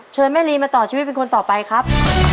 แม่ลีมาต่อชีวิตเป็นคนต่อไปครับ